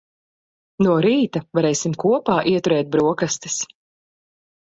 No rīta varēsim kopā ieturēt broksastis.